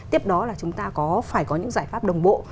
tiếp đó là chúng ta có phải có những giải pháp đồng bộ